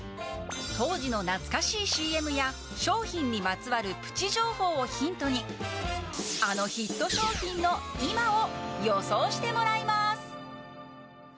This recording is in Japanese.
当時の懐かしいＣＭや商品にまつわるプチ情報をヒントにあのヒット商品の今を予想してもらいます。